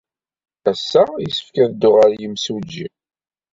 Ass-a, yessefk ad dduɣ ɣer yemsujji.